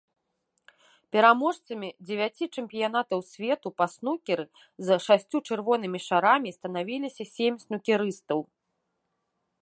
Пераможцамі дзевяці чэмпіянатаў свету па снукеры з шасцю чырвонымі шарамі станавіліся сем снукерыстаў.